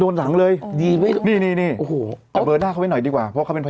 นี่นะฮะ